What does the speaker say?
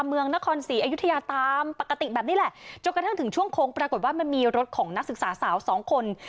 เมืองนครศรีอยุธยาตามปกติแบบนี้แหละจนกระทั่งถึงช่วงโค้งปรากฏว่ามันมีรถของนักศึกษาสาวสองคน